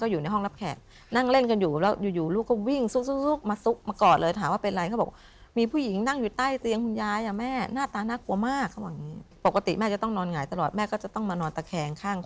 ยังอยู่ยังติดป้ายเช่าหนึ่ง